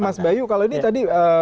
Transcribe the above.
saya ke mas bayu kalau ini tadi